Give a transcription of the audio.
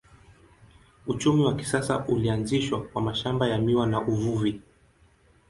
Uchumi wa kisasa ulianzishwa kwa mashamba ya miwa na uvuvi.